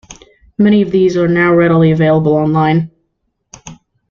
Many of these are now readily available online.